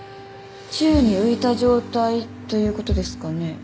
宙に浮いた状態ということですかね？